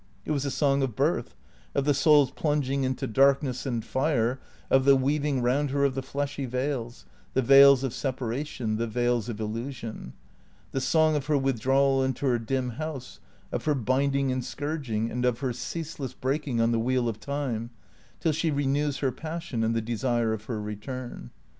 It was the song of birth, of the soul's plunging into darkness THE CEEA TOES 437 and fire, of the weaving round her of the fleshy veils, the veils of separation, the veils of illusion ; the song of her withdrawal into her dim house, of her binding and scourging, and of her ceaseless breaking on the wheel of time, till she renews her pas sion and the desire of her return.